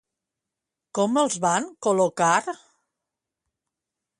Com els van col·locar?